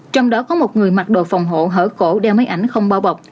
trong đó có một người mặc đồ phòng hộ hở đeo máy ảnh không bao bọc